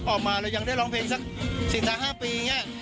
ออกมาเรายังได้ร้องเพลงสินท้าย๕ปี